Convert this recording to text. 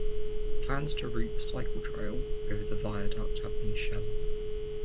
Plans to route the cycle trail over the viaduct have been shelved.